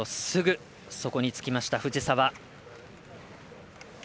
すぐそこにつきました藤澤。